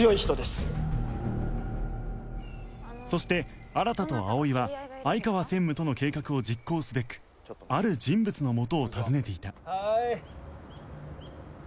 そして新と葵は相川専務との計画を実行すべくある人物のもとを訪ねていた